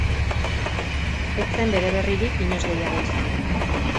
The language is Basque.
Ez zen bere berririk inoiz gehiago izan.